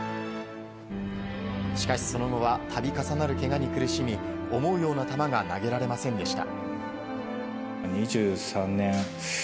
しかし、その後は度重なるけがに苦しみ思うような球が投げられませんでした。